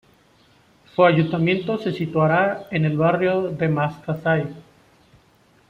Su ayuntamiento se situará en el barrio de Magsaysay.